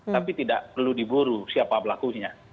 tapi tidak perlu diburu siapa pelakunya